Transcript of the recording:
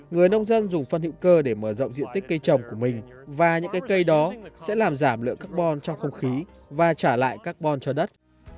người nông dân dùng phân hữu cơ để mở rộng diện tích cây trồng của mình và những cây đó sẽ làm giảm lượng carbon trong không khí và trả lại carbon cho đất